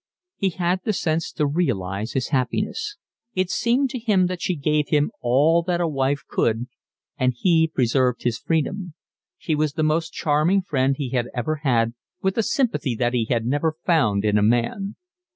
He had the sense to realise his happiness. It seemed to him that she gave him all that a wife could, and he preserved his freedom; she was the most charming friend he had ever had, with a sympathy that he had never found in a man.